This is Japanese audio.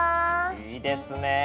いいですね。